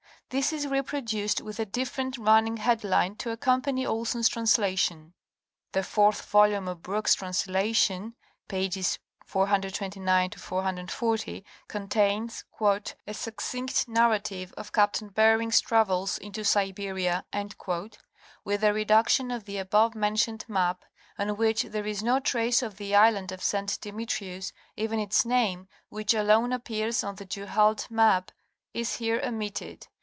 This is reproduced with a different running headline to accompany Olson's translation. The fourth volume of Brookes' translation (pp. 429 440) con tains *" A succinct narrative of Captain Beerings's Travels into Siberia :" with a reduction of the above mentioned map, on which there is no trace of the island of St. Demetrius, even its name, which alone appears on the Du Halde map, is here omitted.